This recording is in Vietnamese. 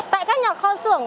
tại các nhà kho xưởng